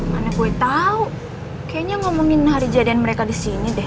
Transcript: mana gue tahu kayaknya ngomongin hari jadian mereka disini deh